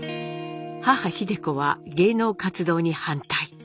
母秀子は芸能活動に反対。